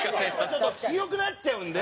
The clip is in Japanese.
ちょっと強くなっちゃうんで。